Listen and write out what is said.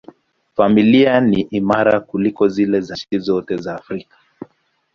Familia ni imara kuliko zile za nchi zote za Afrika.